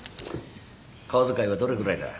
小遣いはどれぐらいだ？